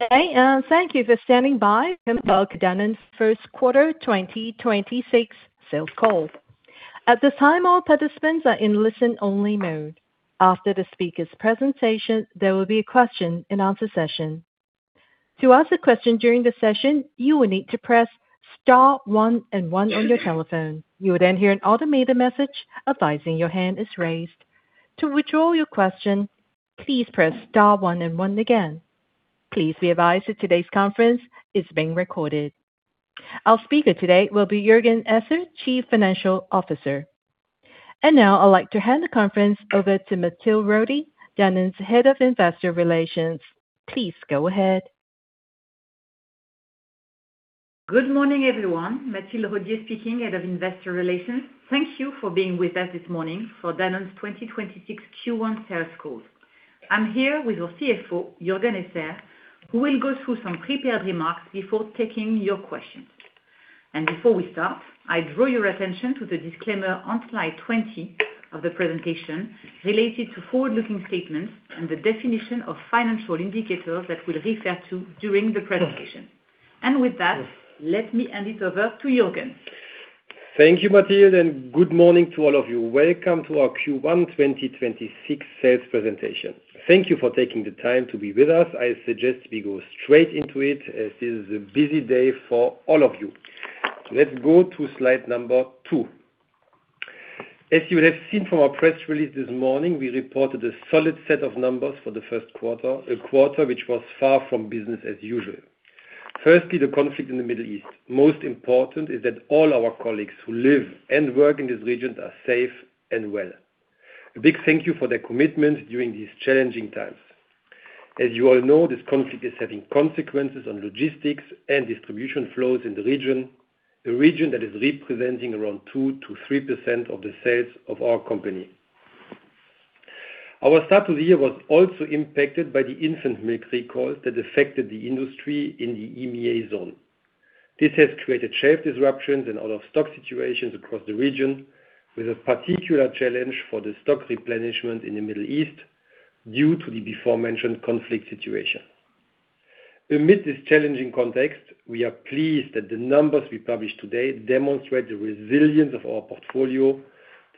Good day and thank you for standing by in Danone's first quarter 2026 sales call. At this time, all participants are in listen-only mode. After the speaker's presentation, there will be a question and answer session. To ask a question during the session, you will need to press star one and one on your telephone. You will then hear an automated message advising your hand is raised. To withdraw your question, please press star one and one again. Please be advised that today's conference is being recorded. Our speaker today will be Juergen Esser, Chief Financial Officer. Now I'd like to hand the conference over to Mathilde Rodier, Danone's Head of Investor Relations. Please go ahead. Good morning, everyone. Mathilde Rodier speaking, Head of Investor Relations. Thank you for being with us this morning for Danone's 2026 Q1 sales call. I'm here with our CFO, Juergen Esser, who will go through some prepared remarks before taking your questions. Before we start, I draw your attention to the disclaimer on slide 20 of the presentation related to forward-looking statements and the definition of financial indicators that we'll refer to during the presentation. With that, let me hand it over to Juergen. Thank you, Mathilde, and good morning to all of you. Welcome to our Q1 2026 sales presentation. Thank you for taking the time to be with us. I suggest we go straight into it as it is a busy day for all of you. Let's go to slide number two. As you will have seen from our press release this morning, we reported a solid set of numbers for the first quarter, a quarter which was far from business as usual. Firstly, the conflict in the Middle East. Most important is that all our colleagues who live and work in this region are safe and well. A big thank you for their commitment during these challenging times. As you all know, this conflict is having consequences on logistics and distribution flows in the region, a region that is representing around 2%-3% of the sales of our company. Our start to the year was also impacted by the infant milk recalls that affected the industry in the EMEA zone. This has created shelf disruptions and out-of-stock situations across the region, with a particular challenge for the stock replenishment in the Middle East due to the aforementioned conflict situation. Amid this challenging context, we are pleased that the numbers we publish today demonstrate the resilience of our portfolio,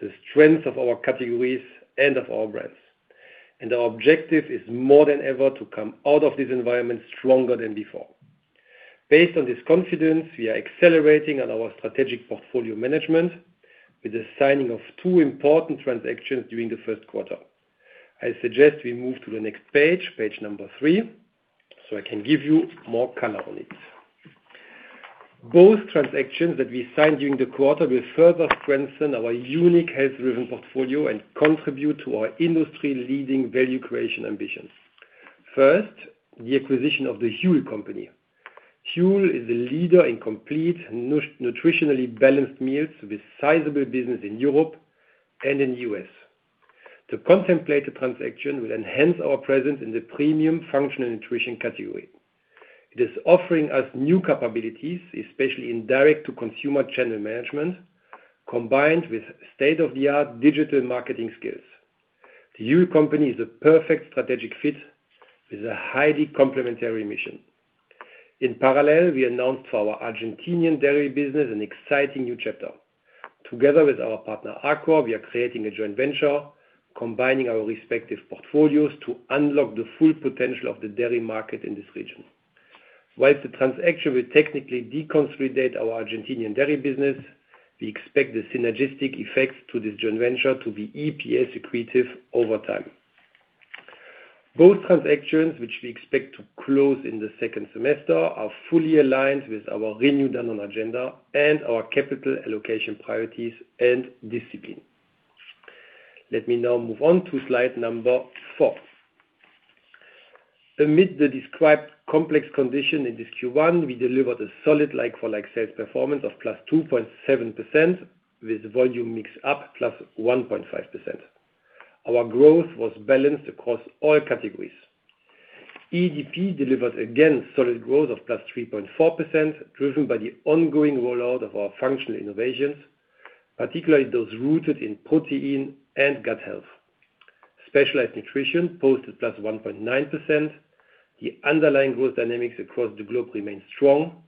the strength of our categories, and of our brands. Our objective is more than ever to come out of this environment stronger than before. Based on this confidence, we are accelerating on our strategic portfolio management with the signing of two important transactions during the first quarter. I suggest we move to the next page number three, so I can give you more color on it. Both transactions that we signed during the quarter will further strengthen our unique health-driven portfolio and contribute to our industry-leading value creation ambitions. First, the acquisition of the Huel company. Huel is a leader in complete nutritionally balanced meals with sizable business in Europe and in the U.S. The contemplated transaction will enhance our presence in the premium functional nutrition category. It is offering us new capabilities, especially in direct to consumer channel management, combined with state-of-the-art digital marketing skills. The Huel company is a perfect strategic fit with a highly complementary mission. In parallel, we announced to our Argentinian dairy business an exciting new chapter. Together with our partner, Arcor, we are creating a joint venture combining our respective portfolios to unlock the full potential of the dairy market in this region. While the transaction will technically deconsolidate our Argentinian dairy business, we expect the synergistic effects to this joint venture to be EPS accretive over time. Both transactions, which we expect to close in the second semester, are fully aligned with our renewed Danone agenda and our capital allocation priorities and discipline. Let me now move on to slide number four. Amid the described complex condition in this Q1, we delivered a solid like-for-like sales performance of +2.7% with volume mix up +1.5%. Our growth was balanced across all categories. EDP delivered again solid growth of +3.4%, driven by the ongoing rollout of our functional innovations, particularly those rooted in protein and gut health. Specialized nutrition posted +1.9%. The underlying growth dynamics across the globe remains strong,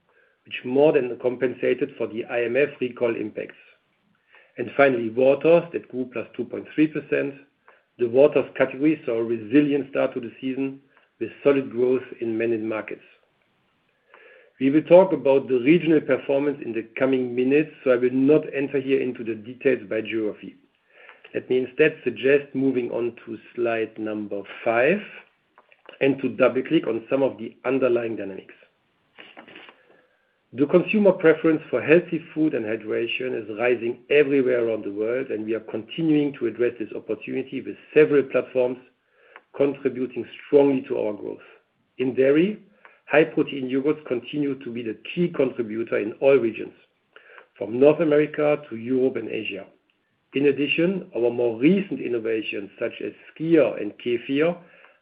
which more than compensated for the IMF recall impacts. Finally, Waters that grew +2.3%. The Waters category saw a resilient start to the season with solid growth in many markets. We will talk about the regional performance in the coming minutes, so I will not enter here into the details by geography. Let me instead suggest moving on to slide number five and to double-click on some of the underlying dynamics. The consumer preference for healthy food and hydration is rising everywhere around the world, and we are continuing to address this opportunity with several platforms contributing strongly to our growth. In dairy, high protein yogurts continue to be the key contributor in all regions, from North America to Europe and Asia. In addition, our more recent innovations, such as Skyr and Kefir,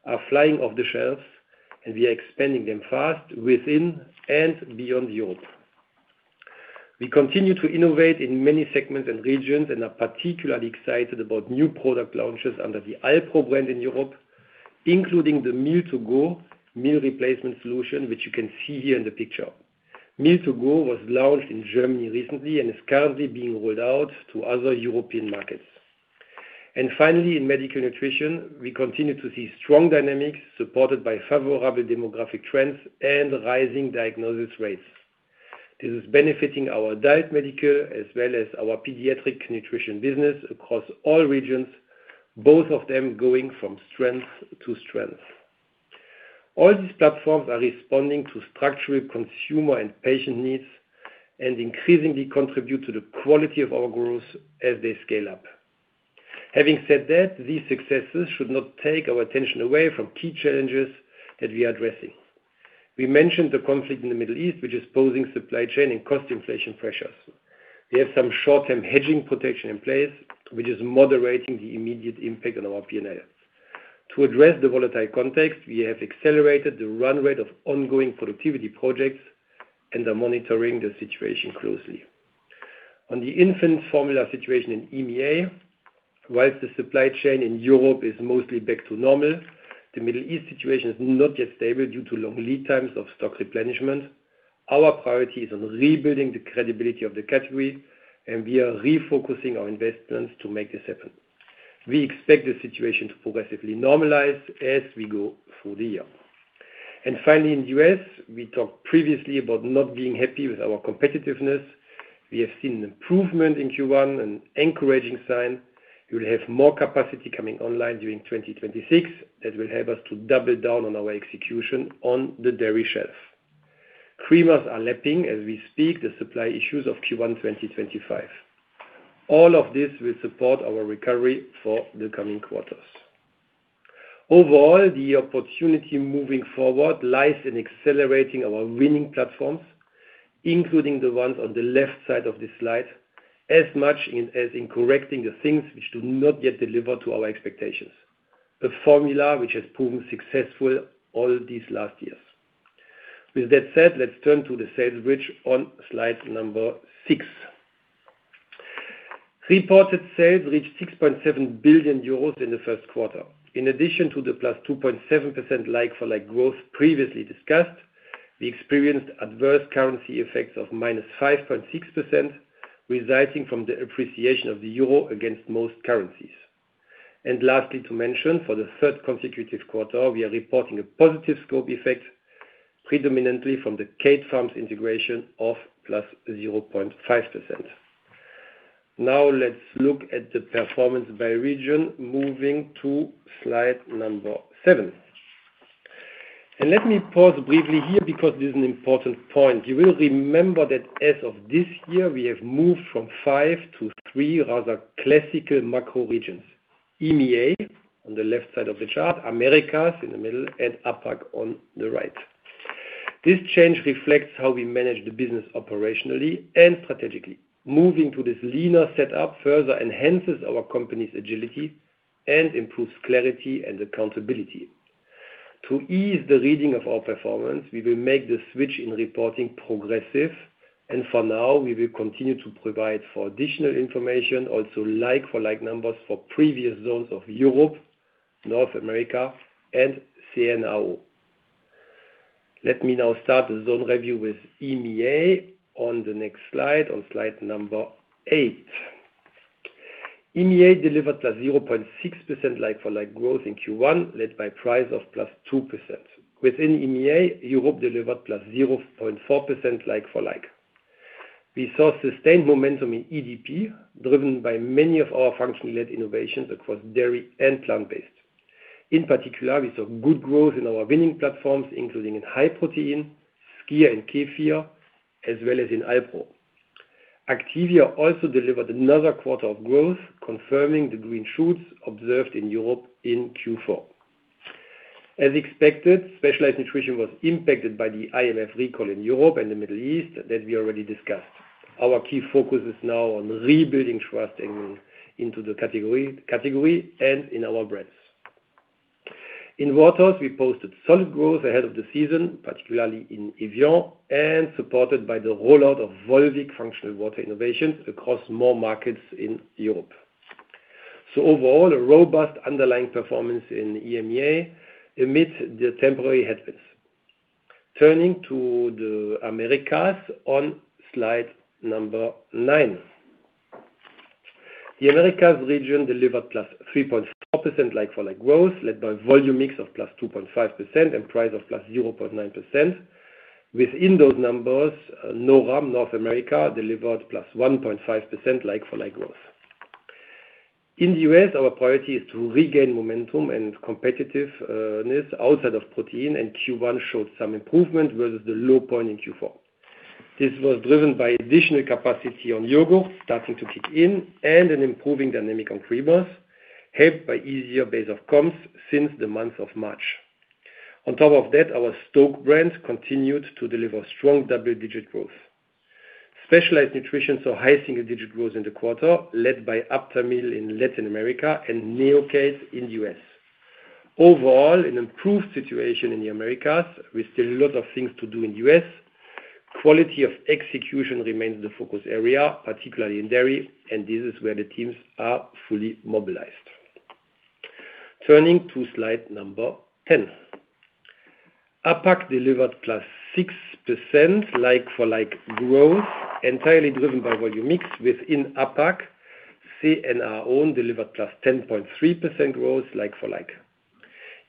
are flying off the shelves, and we are expanding them fast within and beyond Europe. We continue to innovate in many segments and regions, and are particularly excited about new product launches under the Alpro brand in Europe, including the Meal To Go meal replacement solution, which you can see here in the picture. Meal To Go was launched in Germany recently and is currently being rolled out to other European markets. Finally, in Medical Nutrition, we continue to see strong dynamics supported by favorable demographic trends and rising diagnosis rates. This is benefiting our adult medical as well as our pediatric nutrition business across all regions, both of them going from strength to strength. All these platforms are responding to structural consumer and patient needs and increasingly contribute to the quality of our growth as they scale up. Having said that, these successes should not take our attention away from key challenges that we are addressing. We mentioned the conflict in the Middle East, which is posing supply chain and cost inflation pressures. We have some short-term hedging protection in place, which is moderating the immediate impact on our P&L. To address the volatile context, we have accelerated the run rate of ongoing productivity projects and are monitoring the situation closely. On the infant formula situation in EMEA, while the supply chain in Europe is mostly back to normal, the Middle East situation is not yet stable due to long lead times of stock replenishment. Our priority is on rebuilding the credibility of the category, and we are refocusing our investments to make this happen. We expect the situation to progressively normalize as we go through the year. Finally, in the U.S., we talked previously about not being happy with our competitiveness. We have seen an improvement in Q1, an encouraging sign. You will have more capacity coming online during 2026 that will help us to double down on our execution on the dairy shelf. Creamers are lapping as we speak the supply issues of Q1 2025. All of this will support our recovery for the coming quarters. Overall, the opportunity moving forward lies in accelerating our winning platforms, including the ones on the left side of this slide, as much as in correcting the things which do not yet deliver to our expectations. A formula which has proven successful all these last years. With that said, let's turn to the sales bridge on slide number six. Reported sales reached 6.7 billion euros in the first quarter. In addition to the +2.7% like-for-like growth previously discussed, we experienced adverse currency effects of -5.6%, resulting from the appreciation of the euro against most currencies. Lastly to mention, for the third consecutive quarter, we are reporting a positive scope effect, predominantly from the Kate Farms integration of +0.5%. Now let's look at the performance by region, moving to slide number seven. Let me pause briefly here because this is an important point. You will remember that as of this year, we have moved from five to three rather classical macro regions. EMEA on the left side of the chart, Americas in the middle, and APAC on the right. This change reflects how we manage the business operationally and strategically. Moving to this leaner setup further enhances our company's agility and improves clarity and accountability. To ease the reading of our performance, we will make the switch in reporting progressively, and for now, we will continue to provide for additional information, also like-for-like numbers for previous zones of Europe, North America and CNAO. Let me now start the zone review with EMEA on the next slide, on slide number eight. EMEA delivered a 0.6% like-for-like growth in Q1, led by price of +2%. Within EMEA, Europe delivered +0.4% like-for-like. We saw sustained momentum in EDP, driven by many of our functional innovations across dairy and plant-based. In particular, we saw good growth in our winning platforms, including in high protein, Skyr and Kefir, as well as in Alpro. Activia also delivered another quarter of growth, confirming the green shoots observed in Europe in Q4. As expected, Specialized Nutrition was impacted by the IMF recall in Europe and the Middle East that we already discussed. Our key focus is now on rebuilding trust into the category and in our brands. In Waters, we posted solid growth ahead of the season, particularly in Evian and supported by the rollout of Volvic functional water innovations across more markets in Europe. Overall, a robust underlying performance in EMEA amid the temporary headwinds. Turning to the Americas on slide number nine. The Americas region delivered +3.4% like-for-like growth, led by volume mix of +2.5% and price of +0.9%. Within those numbers, NORAM, North America, delivered +1.5% like-for-like growth. In the U.S., our priority is to regain momentum and competitiveness outside of protein, and Q1 showed some improvement versus the low point in Q4. This was driven by additional capacity on yogurt starting to kick in and an improving dynamic on Creamers, helped by easier base of comps since the month of March. On top of that, our STōK brand continued to deliver strong double-digit growth. Specialized nutrition saw high single-digit growth in the quarter, led by Aptamil in Latin America and Neocate in the U.S. Overall, an improved situation in the Americas with still a lot of things to do in the U.S. Quality of execution remains the focus area, particularly in dairy, and this is where the teams are fully mobilized. Turning to slide number 10. APAC delivered +6% like-for-like growth, entirely driven by volume mix within APAC, CNAO delivered +10.3% growth like-for-like.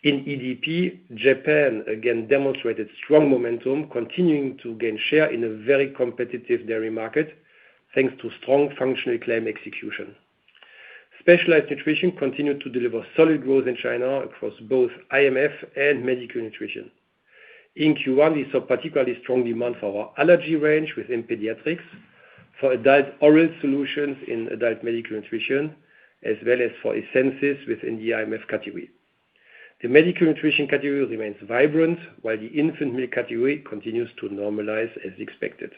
In EDP, Japan again demonstrated strong momentum, continuing to gain share in a very competitive dairy market, thanks to strong functional claim execution. Specialized nutrition continued to deliver solid growth in China across both IMF and Medical Nutrition. In Q1, we saw particularly strong demand for our allergy range within pediatrics, for adult oral solutions in adult Medical Nutrition, as well as for Essensis within the IMF category. The Medical Nutrition category remains vibrant, while the infant milk category continues to normalize as expected.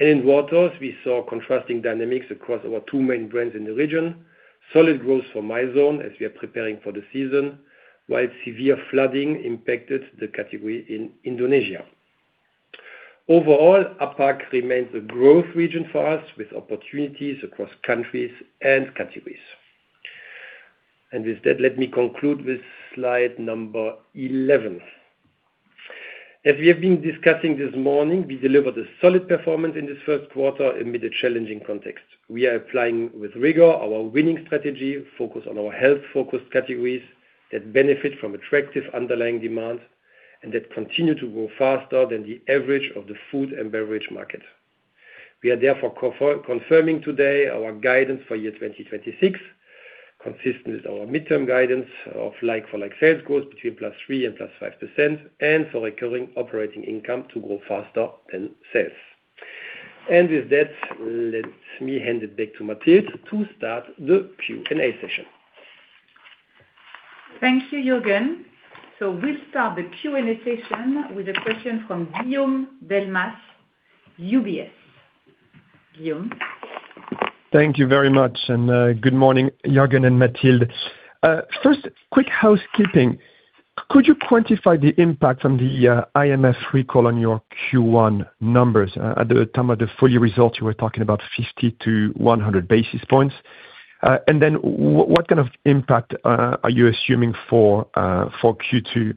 In Waters, we saw contrasting dynamics across our two main brands in the region. Solid growth for Mizone as we are preparing for the season, while severe flooding impacted the category in Indonesia. Overall, APAC remains a growth region for us, with opportunities across countries and categories. With that, let me conclude with slide number 11. As we have been discussing this morning, we delivered a solid performance in this first quarter amid a challenging context. We are applying with rigor our winning strategy, focused on our health-focused categories that benefit from attractive underlying demand and that continue to grow faster than the average of the food and beverage market. We are therefore confirming today our guidance for year 2026, consistent with our midterm guidance of like-for-like sales growth between +3% and +5%, and for recurring operating income to grow faster than sales. With that, let me hand it back to Mathilde to start the Q&A session. Thank you, Juergen. We'll start the Q&A session with a question from Guillaume Delmas, UBS. Guillaume? Thank you very much, and good morning, Juergen and Mathilde. First, quick housekeeping. Could you quantify the impact of the recall on your Q1 numbers? At the time of the full year results, you were talking about 50 to 100 basis points. What kind of impact are you assuming for Q2?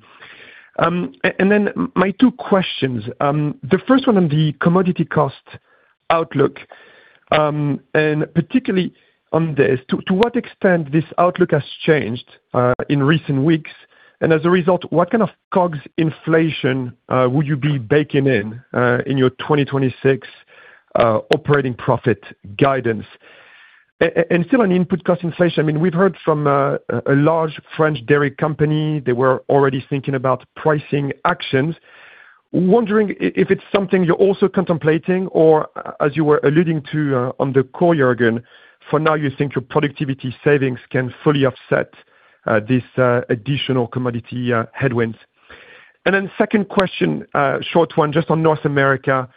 My two questions, the first one on the commodity cost outlook, and particularly on this, to what extent this outlook has changed in recent weeks? As a result, what kind of COGS inflation will you be baking in your 2026 operating profit guidance? Still on input cost inflation, we've heard from a large French dairy company. They were already thinking about pricing actions. Wondering if it's something you're also contemplating, or as you were alluding to on the call, Juergen, for now you think your productivity savings can fully offset these additional commodity headwinds. Then second question, short one, just on North America.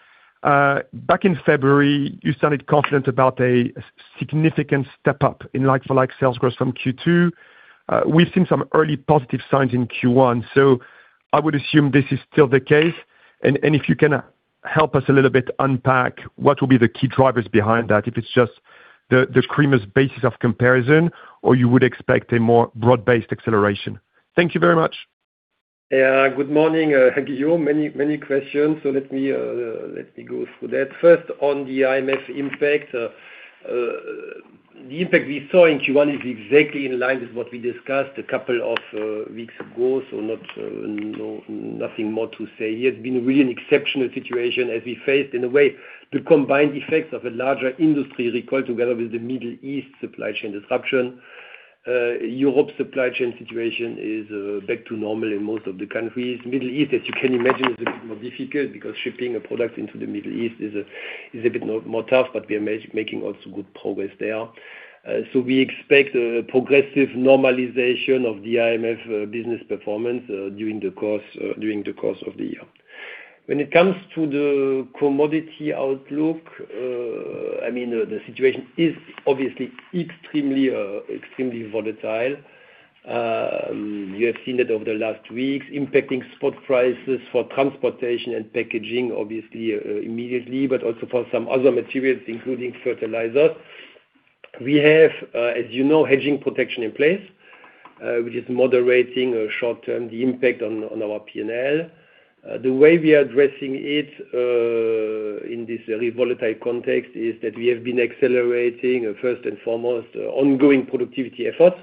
Back in February, you sounded confident about a significant step-up in like-for-like sales growth from Q2. We've seen some early positive signs in Q1, so I would assume this is still the case. If you can help us a little bit unpack what will be the key drivers behind that, if it's just the Creamers' basis of comparison, or you would expect a more broad-based acceleration. Thank you very much. Yeah. Good morning, Guillaume. Many questions, so let me go through that. First on the IMF impact. The impact we saw in Q1 is exactly in line with what we discussed a couple of weeks ago, so nothing more to say here. It's been really an exceptional situation as we faced, in a way, the combined effects of a larger industry recall together with the Middle East supply chain disruption. European supply chain situation is back to normal in most of the countries. Middle East, as you can imagine, is a bit more difficult because shipping a product into the Middle East is a bit more tough, but we are making also good progress there. We expect a progressive normalization of the IMF business performance during the course of the year. When it comes to the commodity outlook, the situation is obviously extremely volatile. You have seen that over the last weeks, impacting spot prices for transportation and packaging, obviously, immediately, but also for some other materials, including fertilizer. We have, as you know, hedging protection in place, which is moderating short-term the impact on our P&L. The way we are addressing it in this very volatile context is that we have been accelerating, first and foremost, ongoing productivity efforts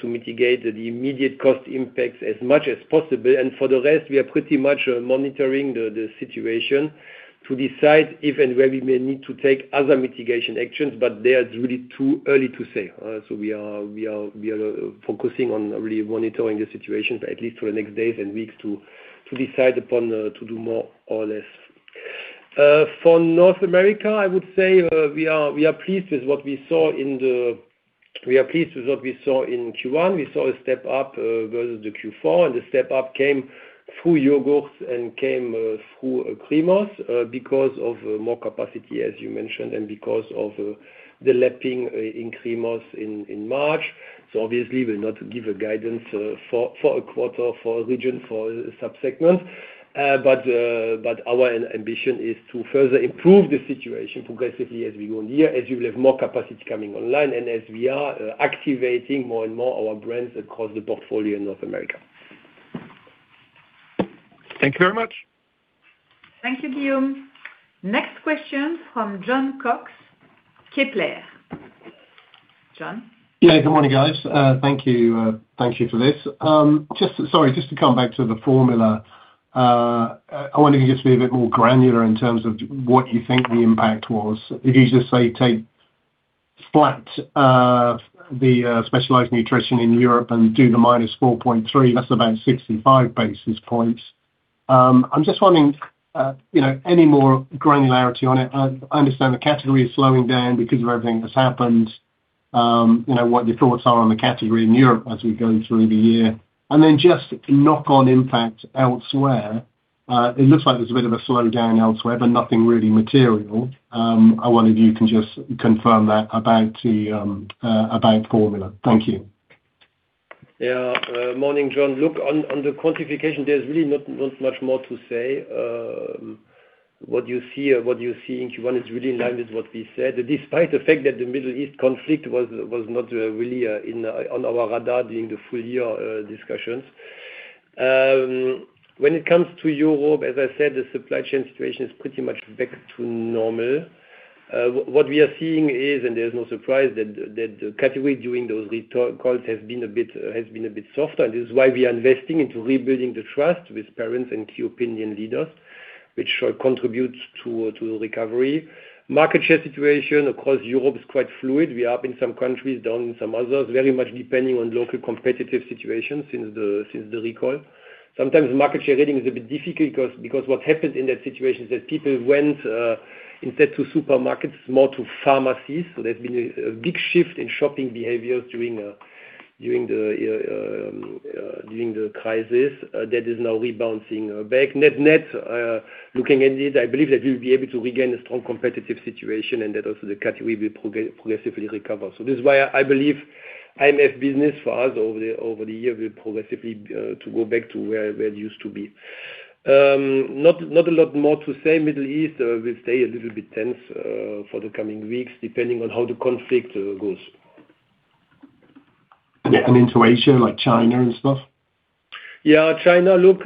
to mitigate the immediate cost impacts as much as possible. For the rest, we are pretty much monitoring the situation to decide if and where we may need to take other mitigation actions, but that's really too early to say. We are focusing on really monitoring the situation, at least for the next days and weeks to decide upon to do more or less. For North America, I would say we are pleased with what we saw in Q1. We saw a step up versus the Q4, and the step up came through yogurts and came through creamers, because of more capacity as you mentioned, and because of the lapping in creams in March. Obviously we'll not give a guidance for a quarter, for a region, for sub-segment. Our ambition is to further improve the situation progressively as we go on here, as we have more capacity coming online and as we are activating more and more our brands across the portfolio in North America. Thank you very much. Thank you, Guillaume. Next question from Jon Cox, Kepler. Jon? Yeah. Good morning, guys. Thank you for this. Sorry, just to come back to the formula. I wonder if you can just be a bit more granular in terms of what you think the impact was. If you just, say, take flat the Specialized Nutrition in Europe and do the -4.3%, that's about 65 basis points. I'm just wondering, any more granularity on it? I understand the category is slowing down because of everything that's happened. What your thoughts are on the category in Europe as we go through the year? Just the knock-on impact elsewhere. It looks like there's a bit of a slowdown elsewhere, but nothing really material. I wonder if you can just confirm that about formula. Thank you. Yeah. Morning, Jon. Look, on the quantification, there's really not much more to say. What you see in Q1 is really in line with what we said, despite the fact that the Middle East conflict was not really on our radar during the full year discussions. When it comes to Europe, as I said, the supply chain situation is pretty much back to normal. What we are seeing is, and there's no surprise that, the category during the recall has been a bit softer, and this is why we are investing into rebuilding the trust with parents and key opinion leaders, which should contribute to recovery. The market share situation, of course, in Europe is quite fluid. We are up in some countries, down in some others. Very much depending on local competitive situations since the recall. Sometimes market share reading is a bit difficult, because what happened in that situation is that people went instead to supermarkets, more to pharmacies. There's been a big shift in shopping behaviors during the crisis, that is now rebounding back. Net-net, looking at it, I believe that we'll be able to regain a strong competitive situation and that also the category will progressively recover. This is why I believe IMF business for us over the year will progressively go back to where it used to be. Not a lot more to say. Middle East will stay a little bit tense for the coming weeks, depending on how the conflict goes. Into Asia, like China and stuff? Yeah. China, look,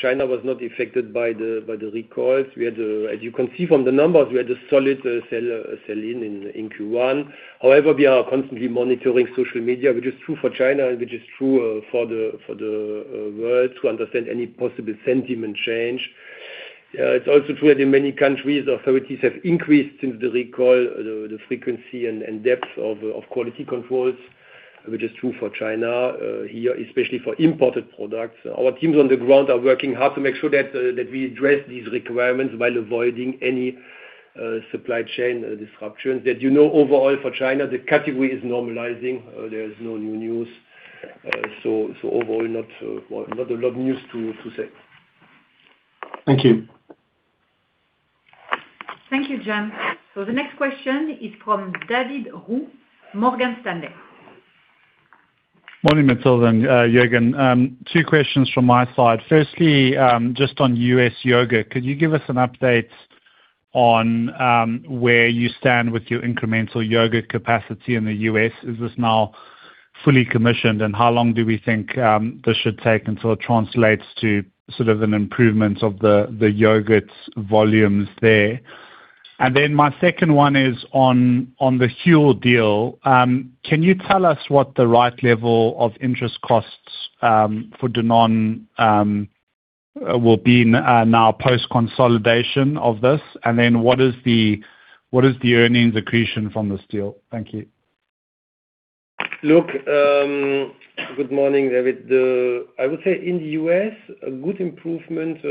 China was not affected by the recalls. As you can see from the numbers, we had a solid sell-in in Q1. However, we are constantly monitoring social media, which is true for China and which is true for the world, to understand any possible sentiment change. It's also true that in many countries, the authorities have increased since the recall the frequency and depth of quality controls, which is true for China here, especially for imported products. Our teams on the ground are working hard to make sure that we address these requirements while avoiding any supply chain disruptions. That, you know, overall for China, the category is normalizing. There is no new news. Overall, not a lot of news to say. Thank you. Thank you, Jon. The next question is from David Roux, Morgan Stanley. Morning, Mathilde and Juergen. Two questions from my side. First, just on U.S. yogurt, could you give us an update on where you stand with your incremental yogurt capacity in the U.S.? Is this now fully commissioned and how long do we think this should take until it translates to sort of an improvement of the yogurt's volumes there? And then my second one is on the Huel deal. Can you tell us what the right level of interest costs, for Danone, will be now post-consolidation of this? And then what is the earnings accretion from this deal? Thank you. Look, good morning, David. I would say in the U.S., a good improvement,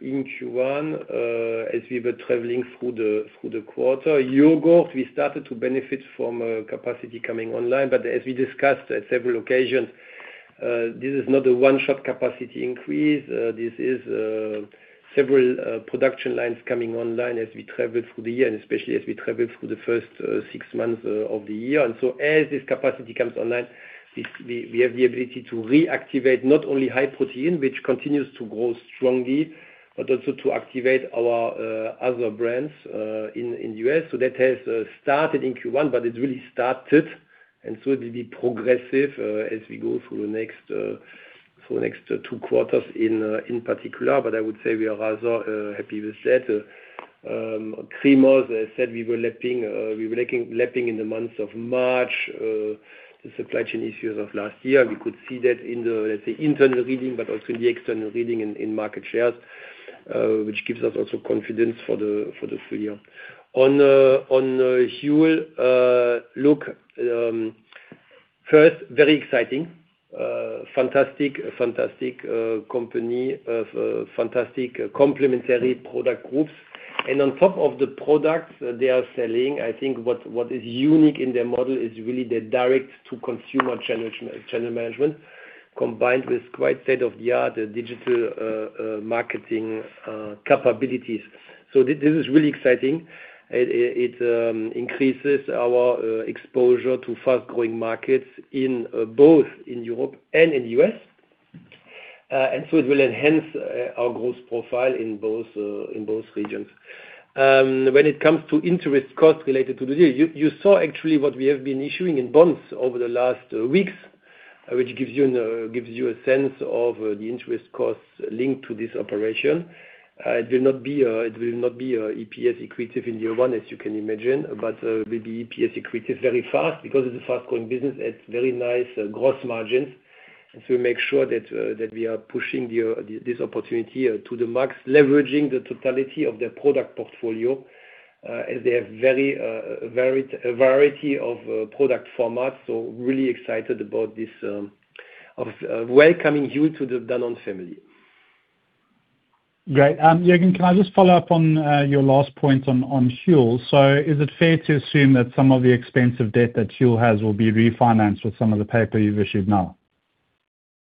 in Q1, as we were traveling through the quarter. Yogurt, we started to benefit from capacity coming online. As we discussed at several occasions, this is not a one-shot capacity increase. This is several production lines coming online as we travel through the year and especially as we travel through the first six months of the year. As this capacity comes online, we have the ability to reactivate not only high protein, which continues to grow strongly, but also to activate our other brands, in the U.S. That has started in Q1, but it's really started, and so it will be progressive, as we go through the next two quarters in particular. I would say we are rather happy with that. Creamers, as I said, we were lapping in the month of March. The supply chain issues of last year. We could see that in the, let's say, internal reading, but also in the external reading in market shares, which gives us also confidence for the full year. On Huel, look, first, very exciting. Fantastic company. Fantastic complementary product groups. And on top of the products they are selling, I think what is unique in their model is really the direct to consumer channel management, combined with quite state of the art digital marketing capabilities. This is really exciting. It increases our exposure to fast-growing markets, both in Europe and in the U.S., and so it will enhance our growth profile in both regions. When it comes to interest costs related to the deal, you saw actually what we have been issuing in bonds over the last weeks, which gives you a sense of the interest costs linked to this operation. It will not be EPS accretive in year one, as you can imagine, but will be EPS accretive very fast. Because it's a fast-growing business, it's very nice gross margins. We make sure that we are pushing this opportunity to the max, leveraging the totality of their product portfolio, as they have a variety of product formats, so really excited about welcoming Huel to the Danone family. Great. Juergen, can I just follow up on your last point on Huel? Is it fair to assume that some of the expensive debt that Huel has will be refinanced with some of the paper you've issued now?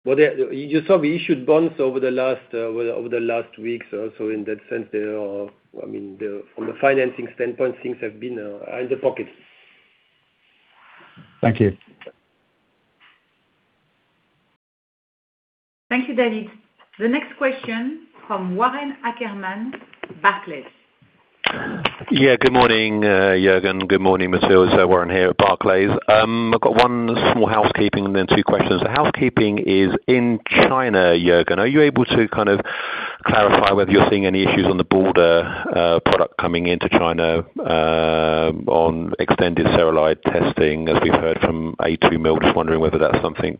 Well, you saw we issued bonds over the last weeks. In that sense, from a financing standpoint, things have been in the pocket. Thank you. Thank you, David. The next question from Warren Ackerman, Barclays. Yeah. Good morning, Juergen. Good morning, Mathilde. Warren here at Barclays. I've got one small housekeeping and then two questions. The housekeeping is, in China, Juergen, are you able to kind of clarify whether you're seeing any issues on the border, product coming into China, on extended sterility testing as we've heard from a2 Milk? Just wondering whether that's something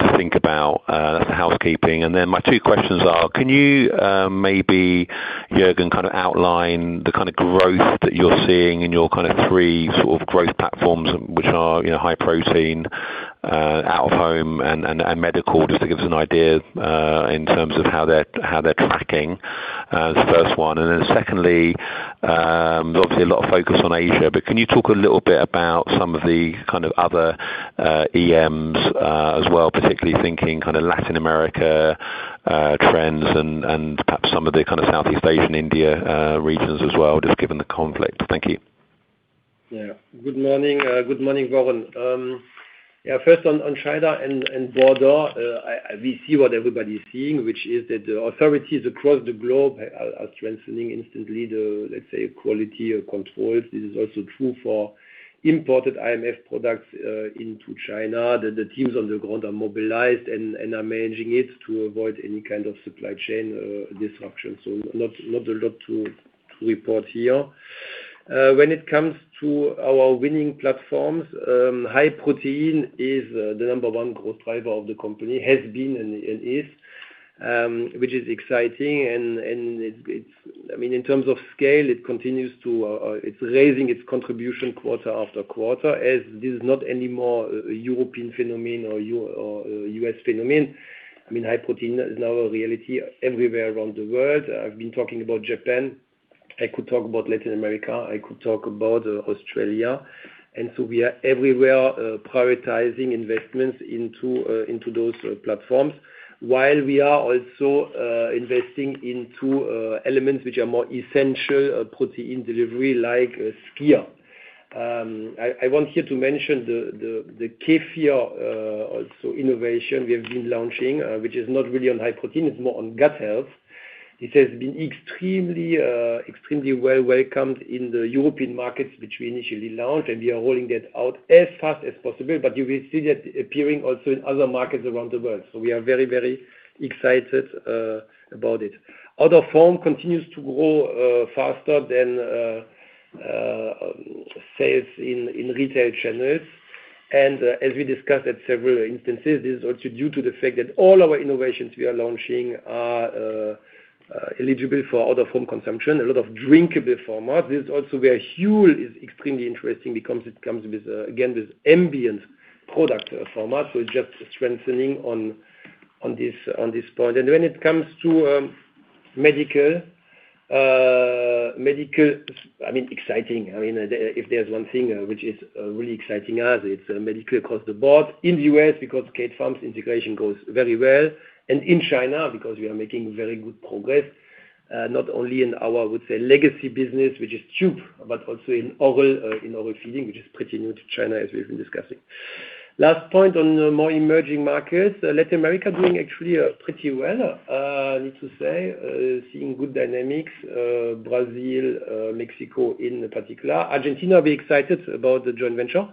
to think about. That's the housekeeping. Then my two questions are, can you, maybe Juergen, kind of outline the kind of growth that you're seeing in your kind of three sort of growth platforms, which are high protein, out of home, and medical, just to give us an idea in terms of how they're tracking? That's the first one. Secondly, obviously a lot of focus on Asia, but can you talk a little bit about some of the kind of other EMs as well, particularly thinking kind of Latin America trends and perhaps some of the kind of Southeast Asian, India regions as well, just given the conflict? Thank you. Yeah. Good morning, Warren. Yeah. First on China and COVID, we see what everybody's seeing, which is that the authorities across the globe are strengthening instantly the, let's say, quality controls. This is also true for imported IMF products into China, that the teams on the ground are mobilized and are managing it to avoid any kind of supply chain disruption. So not a lot to report here. When it comes to our winning platforms, high protein is the number one growth driver of the company. Has been and is, which is exciting, and in terms of scale, it's raising its contribution quarter after quarter as this is not anymore a European phenomenon or U.S. phenomenon. High protein is now a reality everywhere around the world. I've been talking about Japan. I could talk about Latin America. I could talk about Australia. We are everywhere, prioritizing investments into those platforms, while we are also investing into elements which are more essential protein delivery, like Skyr. I want here to mention the Kefir, also innovation we have been launching, which is not really on high protein, it's more on gut health. It has been extremely well welcomed in the European markets, which we initially launched, and we are rolling that out as fast as possible, but you will see that appearing also in other markets around the world, so we are very excited about it. Out of home continues to grow faster than sales in retail channels. As we discussed at several instances, this is also due to the fact that all our innovations we are launching are eligible for out of home consumption, a lot of drinkable formats. This is also where Huel is extremely interesting, because it comes with, again, this ambient product format, so just strengthening on this point. When it comes to medical, exciting. If there's one thing which is really exciting us, it's medical across the board. In the U.S., because Kate Farms integration goes very well, and in China, because we are making very good progress, not only in our, I would say, legacy business, which is tube, but also in oral feeding, which is pretty new to China as we've been discussing. Last point on the more emerging markets. Latin America doing actually pretty well, I need to say. Seeing good dynamics, Brazil, Mexico in particular. Argentina will be excited about the joint venture.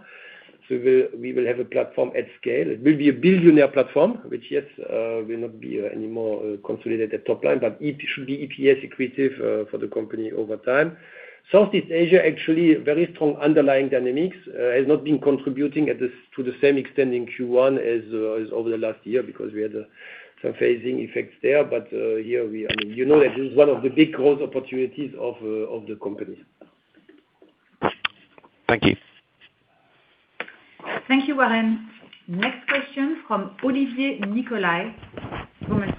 We will have a platform at scale. It will be a billion euro platform, which, yes, will not be any more consolidated at top line, but it should be EPS accretive for the company over time. Southeast Asia, actually, very strong underlying dynamics has not been contributing to the same extent in Q1 as over the last year, because we had some phasing effects there. Here, you know that this is one of the big growth opportunities of the company. Thank you. Thank you, Warren. Next question from Olivier Nicolai. One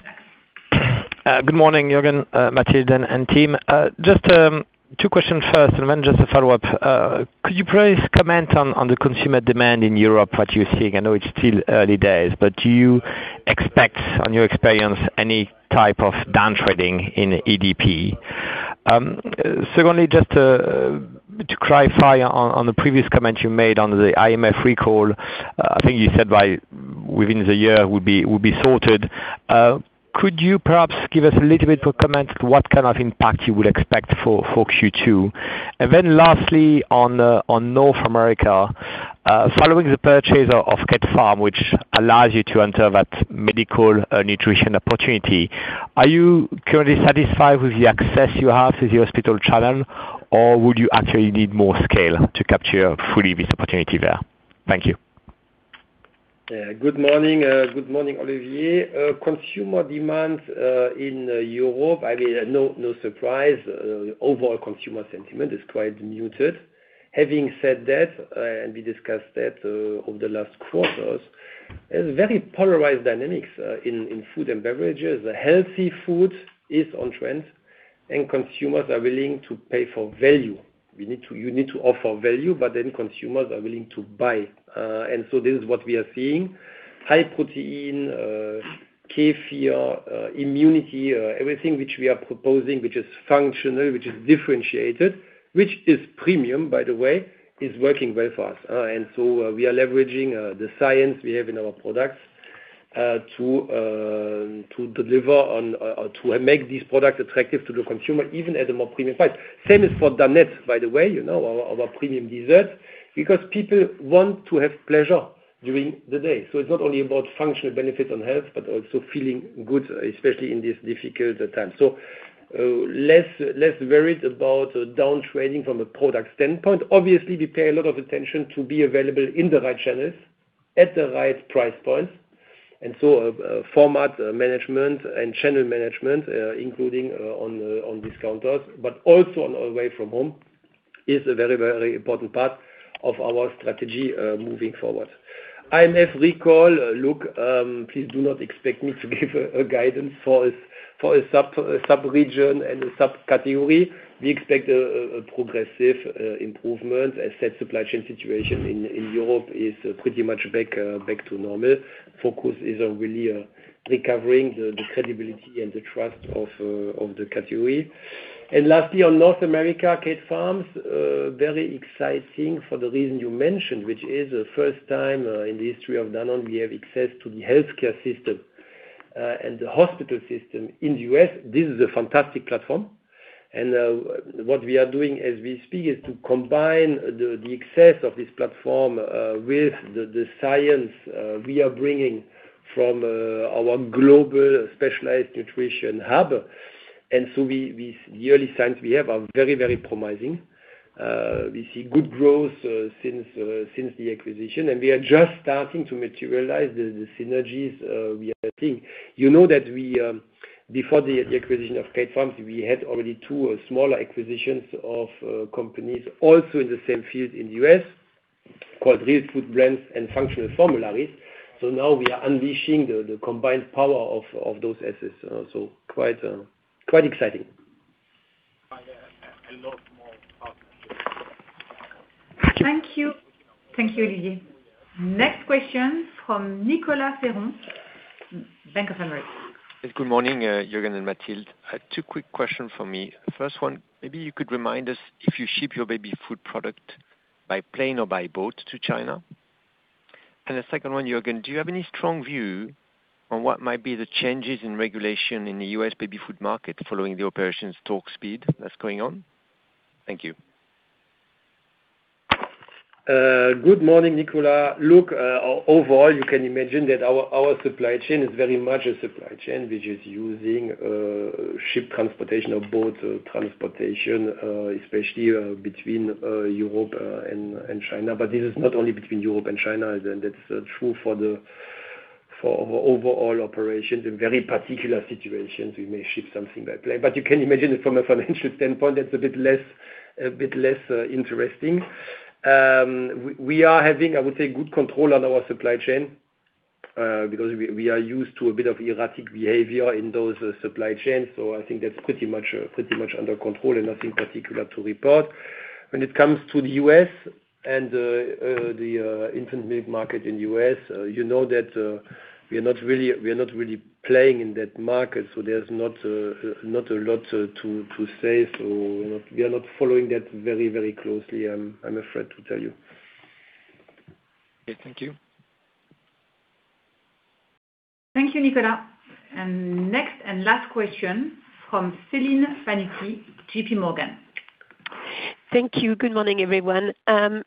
moment. Good morning, Juergen, Mathilde, and team. Just two questions first, and then just a follow-up. Could you please comment on the consumer demand in Europe, what you're seeing? I know it's still early days, but do you expect, on your experience, any type of downtrading in EDP? Secondly, just to clarify on the previous comment you made on the IMF recall, I think you said by the end of the year it will be sorted. Could you perhaps give us a little bit of comment on what kind of impact you would expect for Q2? Then lastly, on North America, following the purchase of Kate Farms, which allows you to enter that Medical Nutrition opportunity, are you currently satisfied with the access you have with the hospital channel, or would you actually need more scale to capture fully this opportunity there? Thank you. Good morning. Good morning, Olivier. Consumer demand in Europe, no surprise, overall consumer sentiment is quite muted. Having said that, we discussed that over the last quarters. There's very polarized dynamics in food and beverages. Healthy food is on trend, and consumers are willing to pay for value. You need to offer value, but then consumers are willing to buy. This is what we are seeing, high protein, Kefir, immunity, everything which we are proposing, which is functional, which is differentiated, which is premium, by the way, is working very fast. We are leveraging the science we have in our products to deliver on or to make these products attractive to the consumer, even at a more premium price. Same as for Danette, by the way, our premium dessert, because people want to have pleasure during the day. It's not only about functional benefit on health, but also feeling good, especially in this difficult time. We're less worried about down trading from a product standpoint. Obviously, we pay a lot of attention to be available in the right channels at the right price points, and so format management and channel management, including on discounters, but also on our away from home, is a very important part of our strategy moving forward. As I recall, look, please do not expect me to give a guidance for a sub-region and a sub-category. We expect a progressive improvement as that supply chain situation in Europe is pretty much back to normal. Focus is on really recovering the credibility and the trust of the category. Lastly, on North America, Kate Farms, very exciting for the reason you mentioned, which is the first time in the history of Danone we have access to the healthcare system, and the hospital system in the U.S. This is a fantastic platform, and what we are doing as we speak is to combine the access of this platform with the science we are bringing from our global Specialized Nutrition hub. The early signs we have are very promising. We see good growth since the acquisition, and we are just starting to materialize the synergies we are seeing. You know that before the acquisition of Kate Farms, we had already two smaller acquisitions of companies also in the same field in the U.S., called Real Food Blends and Functional Formularies. Now we are unleashing the combined power of those assets. Quite exciting. I hear a lot more partnership. Thank you. Thank you, Olivier. Next question from Nicolas Ceron, Bank of America. Good morning, Juergen and Mathilde. I have two quick question for me. First one, maybe you could remind us if you ship your baby food product by plane or by boat to China. The second one, Juergen, do you have any strong view on what might be the changes in regulation in the U.S. baby food market following the Operation Stork Speed that's going on? Thank you. Good morning, Nicolas. Look, overall, you can imagine that our supply chain is very much a supply chain which is using ship transportation or boat transportation, especially between Europe and China. This is not only between Europe and China, and that's true for our overall operations. In very particular situations, we may ship something by plane. You can imagine from a financial standpoint, that's a bit less interesting. We are having, I would say, good control on our supply chain, because we are used to a bit of erratic behavior in those supply chains, so I think that's pretty much under control and nothing particular to report. When it comes to the U.S. and the infant milk market in U.S., you know that we are not really playing in that market, so there's not a lot to say. We are not following that very closely, I'm afraid to tell you. Okay. Thank you. Thank you, Nicolas. Next and last question from Celine Pannuti, JPMorgan. Thank you. Good morning, everyone. My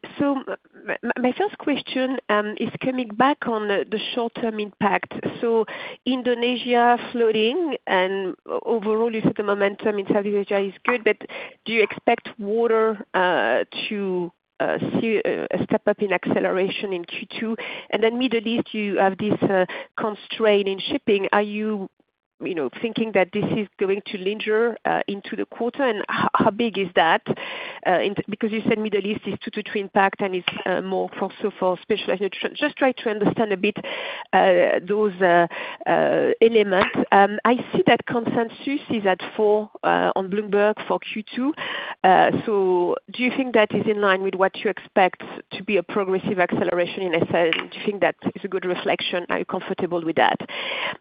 first question is coming back on the short-term impact. Indonesia flooding and overall, you said the momentum in Southeast Asia is good, but do you expect water to see a step up in acceleration in Q2? Middle East, you have this constraint in shipping. Are you thinking that this is going to linger into the quarter, and how big is that? Because you sent me the list, it's 2%-3% impact, and it's more for specialized. Just try to understand a bit those elements. I see that consensus is at 4% on Bloomberg for Q2. Do you think that is in line with what you expect to be a progressive acceleration in itself? Do you think that is a good reflection? Are you comfortable with that?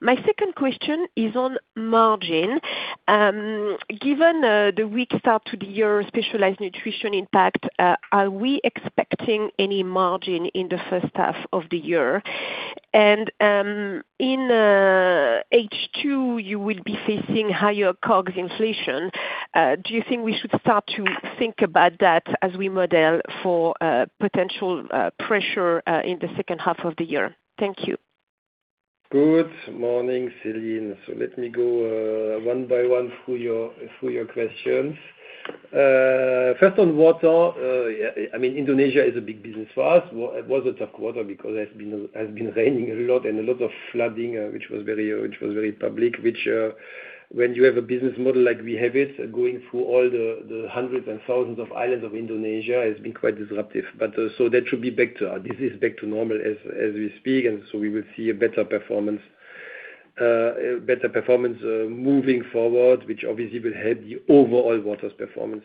My second question is on margin. Given the weak start to the year Specialized Nutrition impact, are we expecting any margin in the first half of the year? In H2, you will be facing higher COGS inflation. Do you think we should start to think about that as we model for potential pressure in the second half of the year? Thank you. Good morning, Celine. Let me go one by one through your questions. First on water. Indonesia is a big business for us. It was a tough quarter because it has been raining a lot and a lot of flooding, which was very public. Which, when you have a business model like we have it, going through all the hundreds and thousands of islands of Indonesia, has been quite disruptive. That should be back to normal as we speak, and we will see a better performance moving forward, which obviously will help the overall water's performance.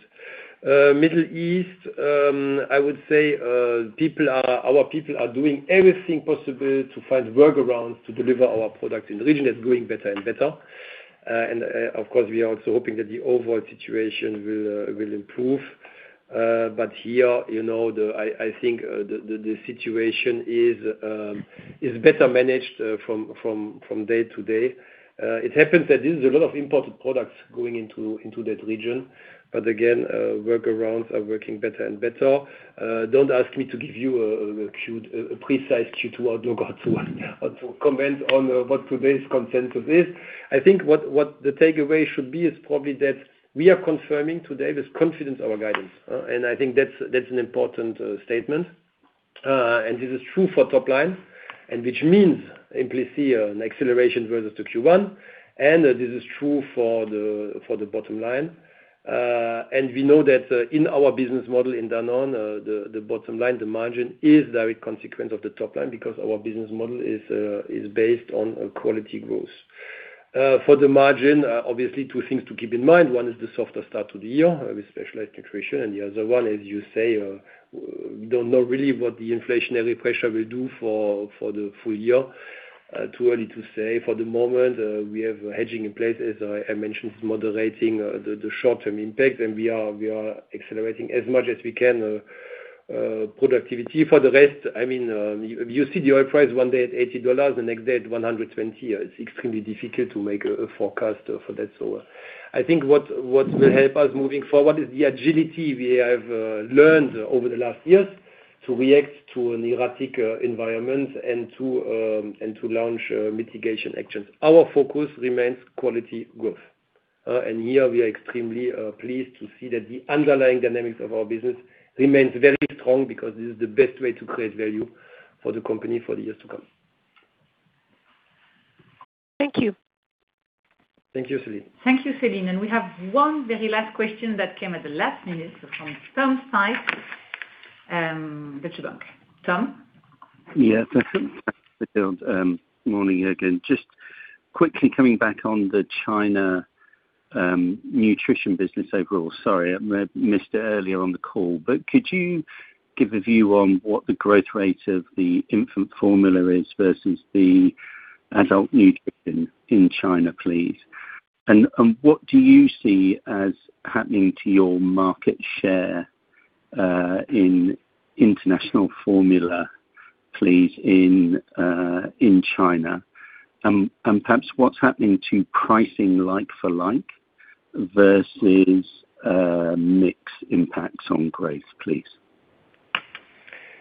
Middle East, I would say our people are doing everything possible to find workarounds to deliver our product in the region. It's going better and better. Of course, we are also hoping that the overall situation will improve. Here, I think, the situation is better managed from day to day. It happens that this is a lot of imported products going into that region. Again, workarounds are working better and better. Don't ask me to give you a precise Q2 outlook or to comment on what today's consensus is. I think what the takeaway should be is probably that we are confirming today with confidence our guidance. I think that's an important statement. This is true for top line, which means implicitly an acceleration versus Q1, and this is true for the bottom line. We know that in our business model in Danone, the bottom line, the margin is direct consequence of the top line, because our business model is based on quality growth. For the margin, obviously two things to keep in mind. One is the softer start to the year with Specialized Nutrition, and the other one, as you say, we don't know really what the inflationary pressure will do for the full year. Too early to say. For the moment, we have hedging in place, as I mentioned, moderating the short-term impact. We are accelerating as much as we can, productivity for the rest. You see the oil price one day at $80, the next day at $120. It's extremely difficult to make a forecast for that. I think what will help us moving forward is the agility we have learned over the last years to react to an erratic environment and to launch mitigation actions. Our focus remains quality growth. Here we are extremely pleased to see that the underlying dynamics of our business remains very strong because this is the best way to create value for the company for the years to come. Thank you. Thank you, Celine. Thank you, Celine. We have one very last question that came at the last minute from Tom Sykes, Deutsche Bank. Tom? Yes. Morning again. Just quickly coming back on the China nutrition business overall. Sorry, I missed it earlier on the call. Could you give a view on what the growth rate of the infant formula is versus the adult nutrition in China, please? And what do you see as happening to your market share, in international formula, please, in China? And perhaps what's happening to pricing like-for-like versus mix impacts on growth, please.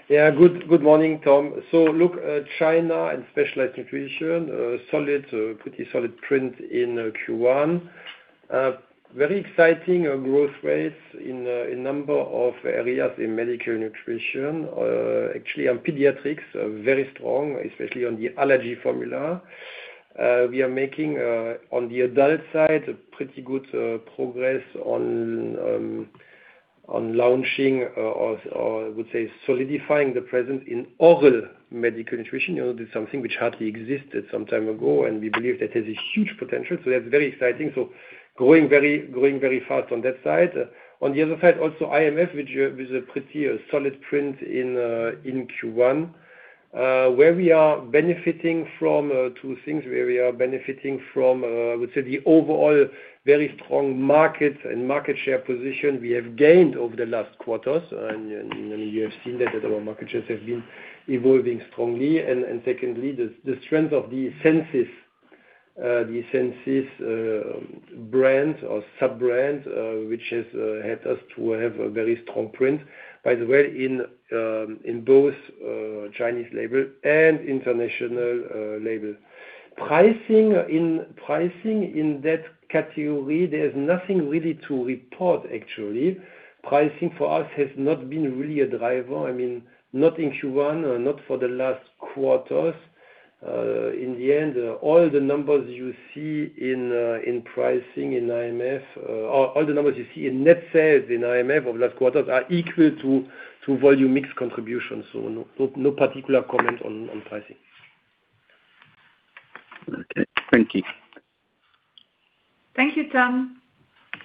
Yeah. Good morning, Tom. Look, China and Specialized Nutrition, pretty solid print in Q1. Very exciting growth rates in a number of areas in Medical Nutrition. Actually, on pediatrics, very strong, especially on the allergy formula. We are making, on the adult side, a pretty good progress on launching or I would say solidifying the presence in oral Medical Nutrition. This is something which hardly existed some time ago, and we believe that has a huge potential. That's very exciting, growing very fast on that side. On the other side, also, IMF with a pretty solid print in Q1, where we are benefiting from two things, I would say the overall very strong markets and market share position we have gained over the last quarters, and you have seen that our market shares have been evolving strongly. Secondly, the strength of the Essensis brands or sub-brands, which has helped us to have a very strong footprint, by the way, in both Chinese label and international label. Pricing in that category, there's nothing really to report, actually. Pricing for us has not been really a driver. Not in Q1, not for the last quarters. In the end, all the numbers you see in pricing in LFL, all the numbers you see in net sales in LFL of last quarters are equal to volume mix contribution. No particular comment on pricing. Okay. Thank you. Thank you, Tom.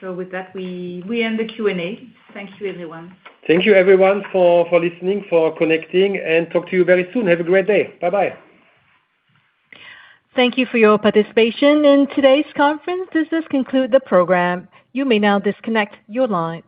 With that, we end the Q&A. Thank you, everyone. Thank you everyone for listening, for connecting, and talk to you very soon. Have a great day. Bye-bye. Thank you for your participation in today's conference. This does conclude the program. You may now disconnect your line.